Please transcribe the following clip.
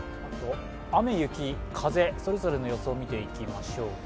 雨、雪、風、それぞれの予想を見ていきましょうか。